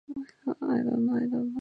I don't know, I don't kno—